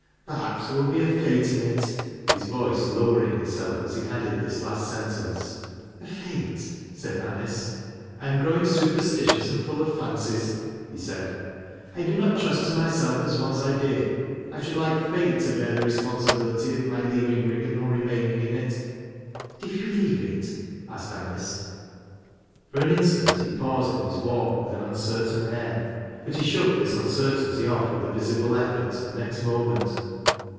Perhaps there will be a Fate in it "— his voice loweiing itself as he added this last sentence. "A Fate?" said Anice. " 1 am growing superstitious and full of fancies," he eaid. " I do not trust to myself, as I once did. I should like Fate to bear the responsibility of my leaving Riggan !)r remaining in it." " And if you leave it ?" asked Anice. For an instant he paused in his walk, with an uncertain »ii . But he shook this uncertainty off with a visible effort, the next moment.